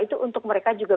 itu untuk mereka juga